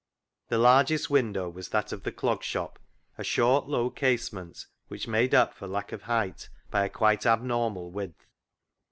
The largest window was that of the Clog Shop, a short low case ment, which made up for lack of height by a quite abnormal width.